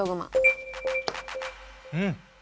うん。